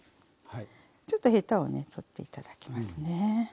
ちょっとヘタをね取って頂きますね。